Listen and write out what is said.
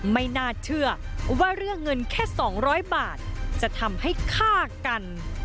ไม่น่าเชื่อว่าเรื่องเงินแค่๒๐๐บาทจะทำให้ฆ่ากัน